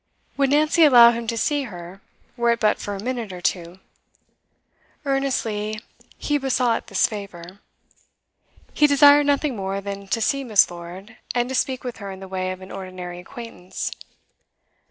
Would Nancy allow him to see her, were it but for a minute or two? Earnestly he besought this favour. He desired nothing more than to see Miss. Lord, and to speak with her in the way of an ordinary acquaintance.